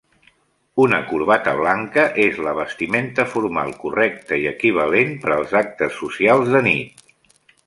Una corbata blanca és la vestimenta formal correcta i equivalent per els actes socials de nit.